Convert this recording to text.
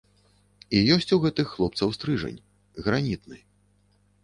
І ёсць у гэтых хлопцаў стрыжань, гранітны.